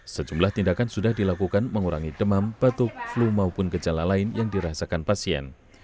sejumlah tindakan sudah dilakukan mengurangi demam batuk flu maupun gejala lain yang dirasakan pasien